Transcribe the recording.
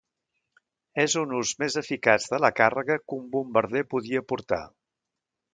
És un ús més eficaç de la càrrega que un bombarder podia portar.